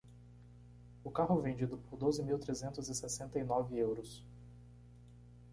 O carro vendido por doze mil trezentos e sessenta e nove euros.